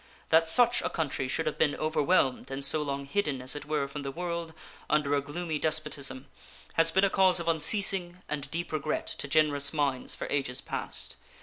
That such a country should have been overwhelmed and so long hidden, as it were, from the world under a gloomy despotism has been a cause of unceasing and deep regret to generous minds for ages past.